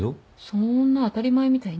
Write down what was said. そんな当たり前みたいに？